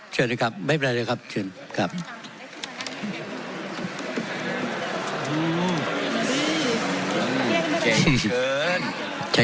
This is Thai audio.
ขอประท้วงครับขอประท้วงครับขอประท้วงครับขอประท้วงครับ